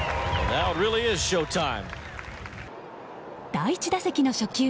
第１打席の初球